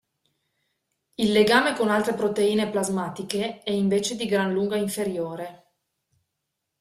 Il legame con altre proteine plasmatiche è invece di gran lunga inferiore.